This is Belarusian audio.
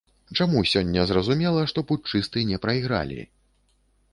Чаму сёння зразумела, што путчысты не прайгралі?